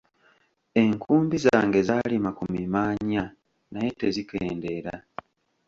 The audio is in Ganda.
Enkumbi zange zaalima ku mimaanya naye tezikendeera.